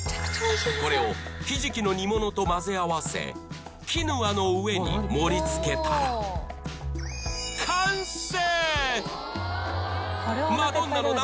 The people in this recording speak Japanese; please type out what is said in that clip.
これをひじきの煮物と混ぜ合わせキヌアの上に盛りつけたら完成！